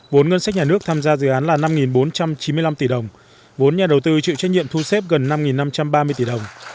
vốn ngân sách nhà nước tham gia dự án là năm bốn trăm chín mươi năm tỷ đồng vốn nhà đầu tư chịu trách nhiệm thu xếp gần năm năm trăm ba mươi tỷ đồng